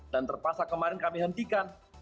dan terpaksa kemarin kami hentikan